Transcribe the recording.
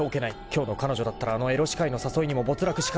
今日の彼女だったらあのエロ歯科医の誘いにも没落しかねない］